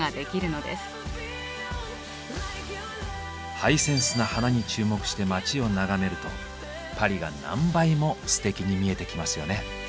ハイセンスな花に注目して街を眺めるとパリが何倍もステキに見えてきますよね。